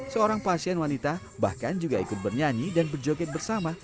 seorang pasien wanita bahkan juga ikut bernyanyi dan berjoget bersama